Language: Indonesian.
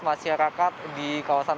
masyarakat di kawasan